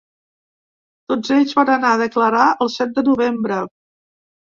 Tots ells van anar a declarar el set de novembre.